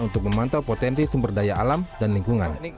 untuk memantau potensi sumber daya alam dan lingkungan